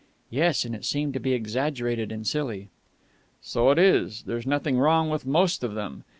"Yes. And it seemed to be exaggerated and silly." "So it is. There's nothing wrong with most of them.